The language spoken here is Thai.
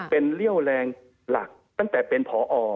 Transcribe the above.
เป็นเรี่ยวแรงหลักตั้งแต่เป็นผอ